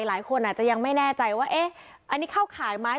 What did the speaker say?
หลายคนอาจจะยังไม่แน่ใจว่าเอ๊ะอันนี้เข้าข่ายไหม